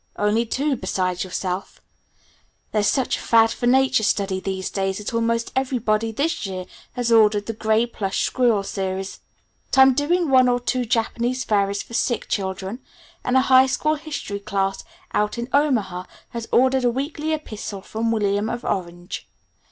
Only two besides yourself. There's such a fad for nature study these days that almost everybody this year has ordered the 'Gray Plush Squirrel' series. But I'm doing one or two 'Japanese Fairies' for sick children, and a high school history class out in Omaha has ordered a weekly epistle from William of Orange."